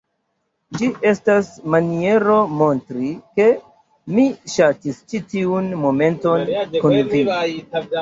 Ĝi estas maniero montri ke mi ŝatis ĉi tiun momenton kun vi.